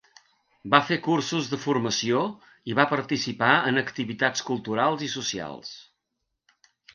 Va fer cursos de formació i va participar en activitats culturals i socials.